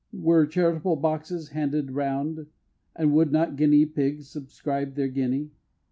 Were charitable boxes handed round, And would not Guinea Pigs subscribe their guinea?